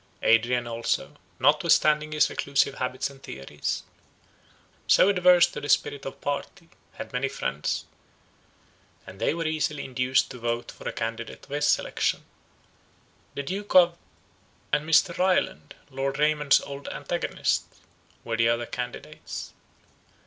Adrian also, notwithstanding his recluse habits and theories, so adverse to the spirit of party, had many friends, and they were easily induced to vote for a candidate of his selection. The Duke of——, and Mr. Ryland, Lord Raymond's old antagonist, were the other candidates.